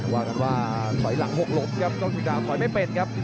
ว่ากันว่าถอยหลังหกล้มครับกล้องจุฬาถอยไม่เป็นครับ